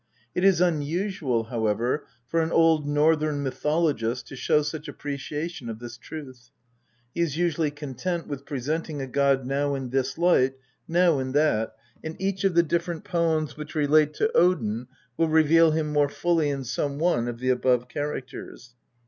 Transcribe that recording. It is unusual, however, for an old Northern mythologist to show such appreciation of this truth. He is usually content with presenting a god now in this light, now in that, and each of the different poems which relate to Odin will reveal him more fully in some one of the above characters.